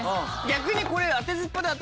逆にこれ。